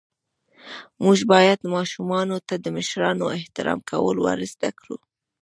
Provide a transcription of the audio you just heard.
موږ باید ماشومانو ته د مشرانو احترام کول ور زده ڪړو.